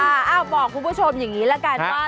บอกคุณผู้ชมอย่างนี้ละกันว่า